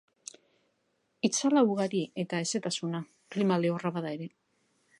Itzala ugari, eta hezetasuna, klima lehorra bada ere.